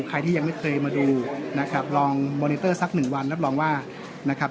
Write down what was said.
ใครที่ยังไม่เคยมาดูนะครับลองมอนิเตอร์สักหนึ่งวันรับรองว่านะครับ